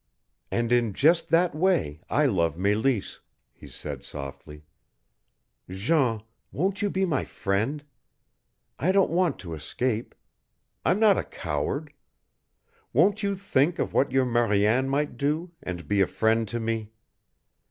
"And in just that way I love Meleese," he said softly. "Jean, won't you be my friend? I don't want to escape. I'm not a coward. Won't you think of what your Mariane might do, and be a friend to me?